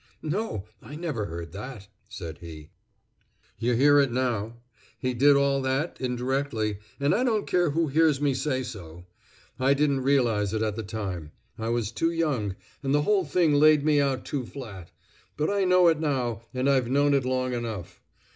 No. I never heard that," said he. "You hear it now. He did all that, indirectly, and I don't care who hears me say so. I didn't realize it at the time. I was too young, and the whole thing laid me out too flat; but I know it now, and I've known it long enough.